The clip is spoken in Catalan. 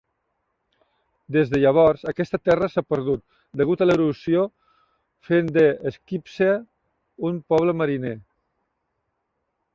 Des de llavors, aquesta terra s'ha perdut degut a l'erosió, fent de Skipsea un poble mariner.